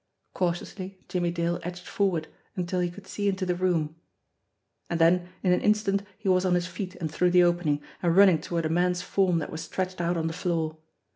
Cautiously Jimmie Dale edged forward until he could see into the room and then, in an instant, he was on his feet and through the opening, and running toward a man's form that was stretched out on the floor.